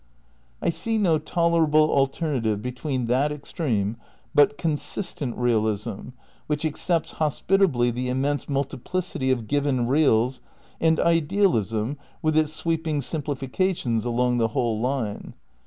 I see no tolerable alternative between that extreme but consistent realism which accepts hospitably the im mense multiplicity of "given" reals, and idealism with its sweeping simplifications along the whole line.